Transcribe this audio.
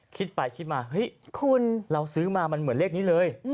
คิดไปคิดมาเฮ้ยคุณเราซื้อมามันเหมือนเลขนี้เลย